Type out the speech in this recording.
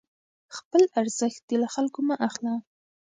خپل ارزښت دې له خلکو مه اخله،